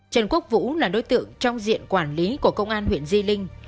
trần quốc vũ là đối tượng trong diện quản lý của công an huyện di linh